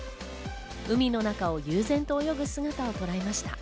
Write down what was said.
海の中を悠然と泳ぐ姿をとらえました。